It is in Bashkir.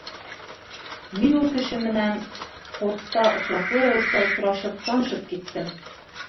Мин ул кеше менән портта осраҡлы рәүештә осрашып, танышып киттем.